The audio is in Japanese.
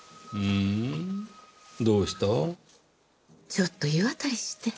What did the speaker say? ちょっと湯あたりして。